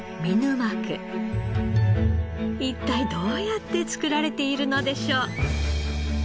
一体どうやって作られているのでしょう？